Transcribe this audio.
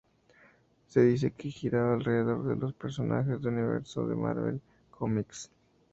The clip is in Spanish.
Se dice que giraba alrededor de los personajes del Universo de Marvel Comics.